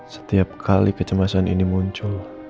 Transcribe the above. setiap kali kecemasan ini muncul